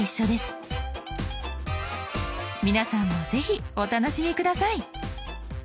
皆さんもぜひお楽しみ下さい。